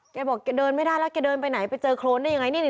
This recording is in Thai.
แกบอกแกเดินไม่ได้แล้วแกเดินไปไหนไปเจอโครนได้ยังไงนี่